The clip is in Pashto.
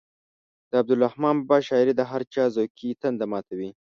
د عبدالرحمان بابا شاعري د هر چا ذوقي تنده ماتوي.